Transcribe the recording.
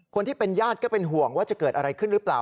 คนที่เป็นญาติก็เป็นห่วงว่าจะเกิดอะไรขึ้นหรือเปล่า